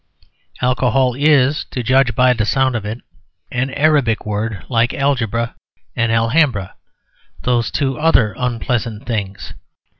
"Alcohol" is, to judge by the sound of it, an Arabic word, like "algebra" and "Alhambra," those two other unpleasant things.